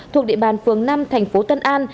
thuộc địa bàn phường năm thành phố tân an